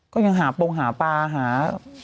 ก็ยังหาโปรงหาปลา